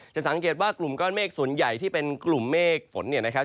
สังเกตว่ากลุ่มก้อนเมฆส่วนใหญ่ที่เป็นกลุ่มเมฆฝนเนี่ยนะครับ